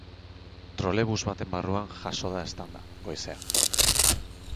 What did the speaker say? Trolebus baten barruan jazo da eztanda, goizean.